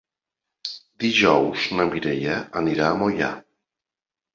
Dijous na Mireia anirà a Moià.